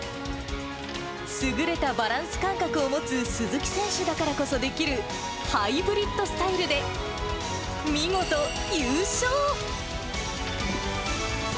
優れたバランス感覚を持つ鈴木選手だからこそできるハイブリッドスタイルで、見事、優勝。